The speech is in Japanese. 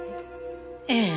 ええ。